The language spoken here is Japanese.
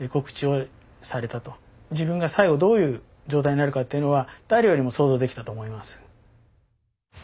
自分が最後どういう状態になるかというのは誰よりも想像できたと思います。